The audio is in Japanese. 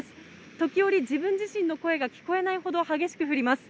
時折、自分自身の声が聞こえないほど激しく降ります。